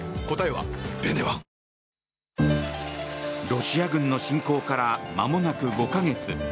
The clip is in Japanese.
ロシア軍の侵攻からまもなく５か月。